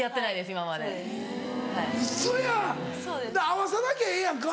会わさなきゃええやんか。